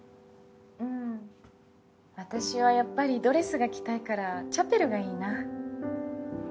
うん私はやっぱりドレスが着たいからチャペルがいいな。